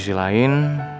di sisi lain